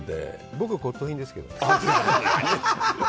僕、骨とう品ですけど。